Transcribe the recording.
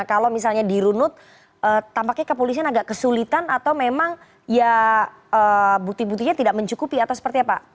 kalau misalnya dirunut tampaknya kepolisian agak kesulitan atau memang ya bukti buktinya tidak mencukupi atau seperti apa